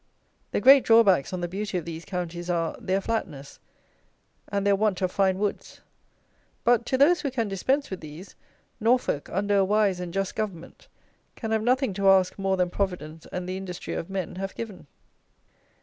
The great drawbacks on the beauty of these counties are, their flatness and their want of fine woods; but, to those who can dispense with these, Norfolk, under a wise and just government, can have nothing to ask more than Providence and the industry of man have given.